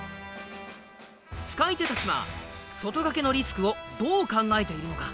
使い手たちは外掛けのリスクをどう考えているのか。